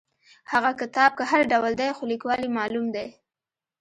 هغه کتاب که هر ډول دی خو لیکوال یې معلوم دی.